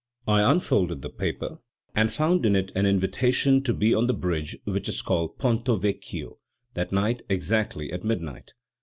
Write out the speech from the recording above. I unfolded the paper, and found in it an invitation to be on the bridge which is called Ponto Vecchio that night exactly at midnight.